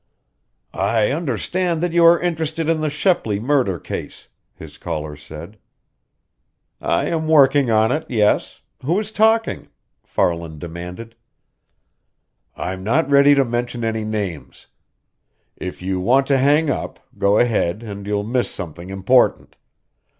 "I understand that you are interested in the Shepley murder case," his caller said. "I am working on it, yes. Who is talking?" Farland demanded. "I'm not ready to mention any names. If you want to hang up, go ahead and you'll miss something important.